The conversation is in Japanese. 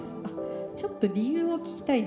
ちょっと理由を聞きたいな。